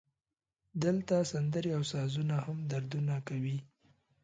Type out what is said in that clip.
دلته سندرې او سازونه هم دردونه کوي